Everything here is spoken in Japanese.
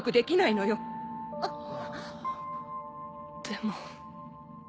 でも。